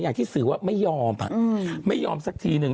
ที่สื่อว่าไม่ยอมไม่ยอมสักทีนึง